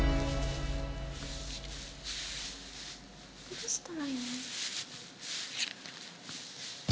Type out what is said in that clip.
どうしたらいいの？